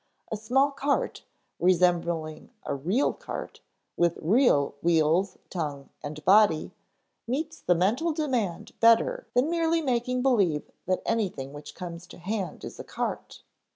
A small cart, resembling a "real" cart, with "real" wheels, tongue, and body, meets the mental demand better than merely making believe that anything which comes to hand is a cart.